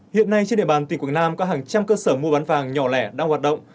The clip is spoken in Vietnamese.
hiện nay trên địa bàn tỉnh quảng nam có hàng trăm cơ sở mua bán vàng nhỏ lẻ đang hoạt động